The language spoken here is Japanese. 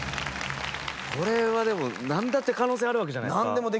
これはでもなんだって可能性あるわけじゃないですか。